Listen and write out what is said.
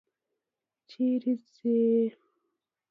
چیرې څې؟